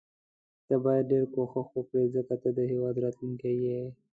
ته باید ډیر کوښښ وکړي ځکه ته د هیواد راتلوونکی یې.